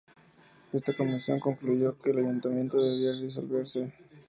Esta comisión concluyó que el ayuntamiento debía disolverse.